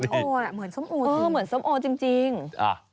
สมโอแหละเหมือนสมโอจริง